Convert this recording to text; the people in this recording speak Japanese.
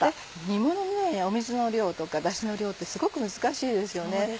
煮ものの水の量とかダシの量ってすごく難しいですよね。